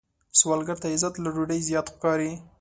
سوالګر ته عزت له ډوډۍ زیات ښکاري